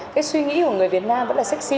cái suy nghĩ của người việt nam vẫn là sexy